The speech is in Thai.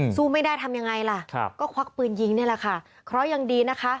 สู้ไม่ได้ทำยังไงล่ะครับก็ควักปืนยิงนี่แหละค่ะเพราะยังดีนะคะ